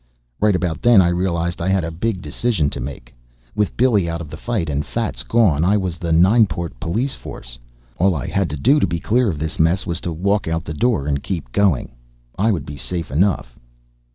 Right about then I realized I had a big decision to make. With Billy out of the fight and Fats gone I was the Nineport police force. All I had to do to be clear of this mess was to walk out the door and keep going. I would be safe enough.